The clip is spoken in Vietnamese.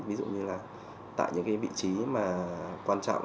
ví dụ như là tại những cái vị trí mà quan trọng